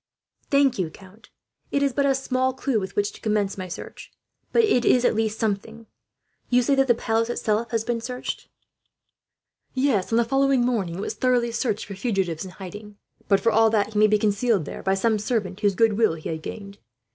"Thank you, count. It is but a small clue with which to commence my search, but it is at least something. You say that the palace itself has been searched?" "Yes. On the following morning it was thoroughly searched for fugitives in hiding; but for all that he may be concealed there, by some servant whose goodwill he had gained.